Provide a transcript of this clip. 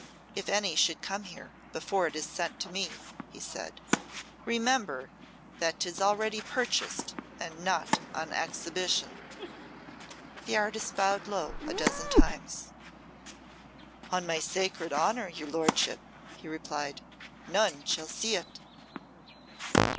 "If any should come here before it is sent to me," he said, "remember that 'tis already purchased and not on exhibition." The artist bowed low a dozen times. "On my sacred honour, your lordship," he replied, "none shall see it."